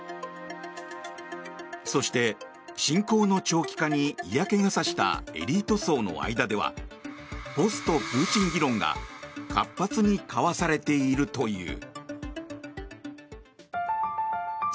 そして、侵攻の長期化に嫌気が差したエリート層の間ではポストプーチン議論が活発に交わされているという。